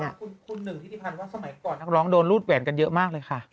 คุณหนึ่งทิติพันธ์ว่าสมัยก่อนนักร้องโดนรูดแหวนกันเยอะมากเลยค่ะ